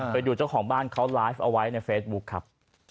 ไปดูเจ้าของบ้านเขาไลฟ์เอาไว้ในเฟซบุ๊คครับ